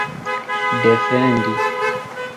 defendi